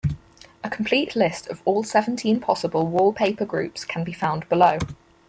A complete list of all seventeen possible wallpaper groups can be found below.